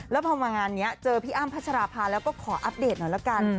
แล้วพอมางานนี้เจอพี่อ้ำพัชราภาแล้วก็ขออัปเดตหน่อยละกัน